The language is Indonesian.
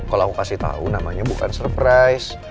kalau aku kasih tahu namanya bukan surprise